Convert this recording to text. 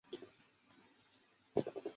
萨兰迪是巴西南大河州的一个市镇。